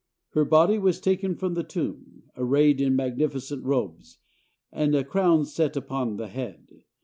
Her body was taken from the tomb, arrayed in magnificent robes, and a crown set upon the head.